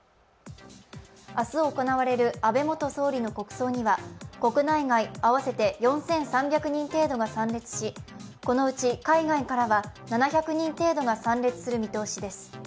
明日行われる安倍元総理の国葬には国内外合わせて４３００人程度が参列し、このうち海外からは７００人程度が参列する見通しです。